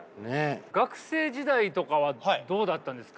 学生時代とかはどうだったんですか？